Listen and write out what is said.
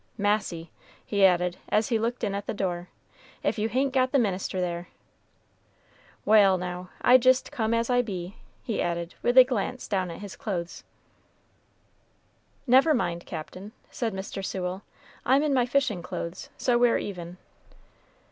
Massy!" he added, as he looked in at the door, "if you hain't got the minister there! Wal', now, I come jist as I be," he added, with a glance down at his clothes. "Never mind, Captain," said Mr. Sewell; "I'm in my fishing clothes, so we're even."